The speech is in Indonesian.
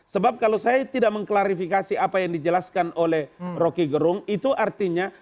sebab kalau saya tidak mengklarifikasi apa yang dijelaskan oleh rocky gerung itu artinya